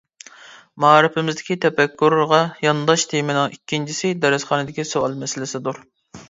مائارىپىمىزدىكى تەپەككۇرغا يانداش تېمىنىڭ ئىككىنچىسى دەرسخانىدىكى سوئال مەسىلىسىدۇر.